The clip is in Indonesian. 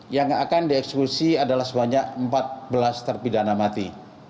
yang akan dieksekusi adalah sebanyak empat belas terpidana mati